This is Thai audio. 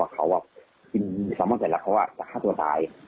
เขากินแซลมอนแต่ละเขาก็จะฆ่าตัวตาย